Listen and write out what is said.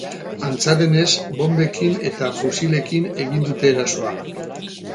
Antza denez, bonbekin eta fusilekin egin dute erasoa.